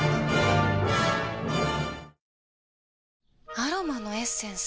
アロマのエッセンス？